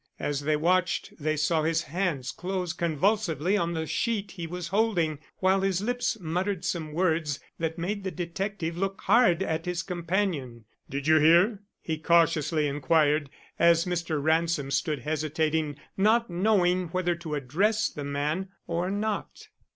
As they watched, they saw his hands close convulsively on the sheet he was holding, while his lips muttered some words that made the detective look hard at his companion. "Did you hear?" he cautiously inquired, as Mr. Ransom stood hesitating, not knowing whether to address the man or not.